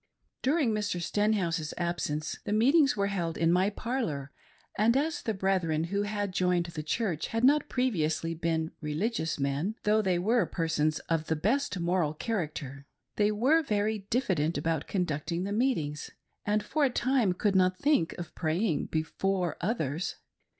LITTLE CLARA BECOMES A TEST OF FAITH. 123 During Mr. Stenhouse's absence, the meetings were held in my parlor, and as the brethren who had joined the Church had not previously been religious men, though they were per sons of the best moral character, they were very diffident about conducting the meetings, and for a time could not think of praying before others.